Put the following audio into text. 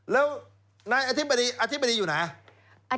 แล้วนายอธิบดีอยู่ไหน